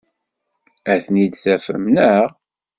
Ad ten-id-tafem, naɣ?